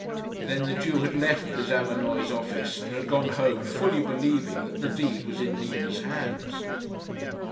Then the Jew had left the Zamenoys' office, and had gone home, fully believing that the deed was in Nina's hands.